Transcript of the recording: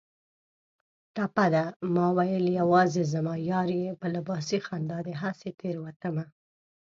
ټپه ده: ماوېل یوازې زما یار یې په لباسي خندا دې هسې تېروتمه